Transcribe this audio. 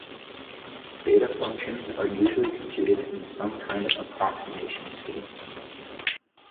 Beta functions are usually computed in some kind of approximation scheme.